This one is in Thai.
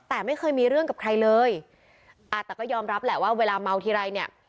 แต่ไม่เคยมีเรื่องกับใครเลยอ่าแต่ก็ยอมรับแหละว่าเวลาเมาทีไรเนี่ย